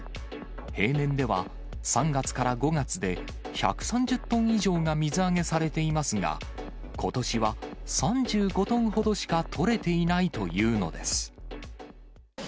平年では、３月から５月で１３０トン以上が水揚げされていますが、ことしは３５トンほどしか取れていないというのです。